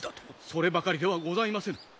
そればかりではございませぬ。